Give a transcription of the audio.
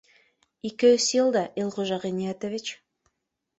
Ике-өс йылда, Илғужа Ғиниәтович